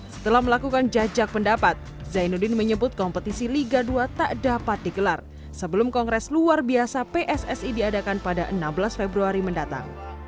setelah melakukan jajak pendapat zainuddin menyebut kompetisi liga dua tak dapat digelar sebelum kongres luar biasa pssi diadakan pada enam belas februari mendatang